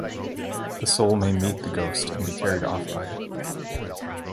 The soul may meet the ghost and be carried off by it.